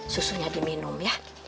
susunya di minum ya